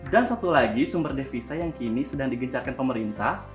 dan satu lagi sumber devisa yang kini sedang digencarkan pemerintah